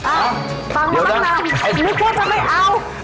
อ้าวฟังมานานนึกว่าจะไม่เอา